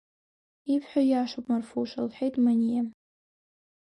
Ибҳәо иашоуп, Марфуша, — лҳәеит Маниа.